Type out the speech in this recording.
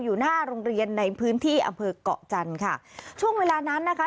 อยู่หน้าโรงเรียนในพื้นที่อำเภอกเกาะจันทร์ค่ะช่วงเวลานั้นนะคะ